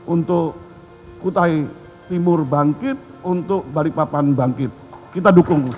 untuk kutai timur bangkit untuk balikpapan bangkit kita dukung